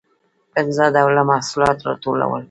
پنځه ډوله محصولات راټولول.